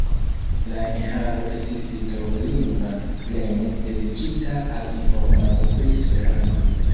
La enhavo estis litovlingva, plene dediĉita al informado pri Esperanto.